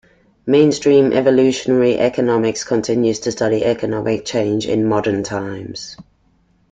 Mainstream evolutionary economics continues to study economic change in modern times.